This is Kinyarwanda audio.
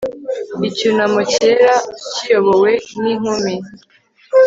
Icyunamo cyera kiyobowe ninkumi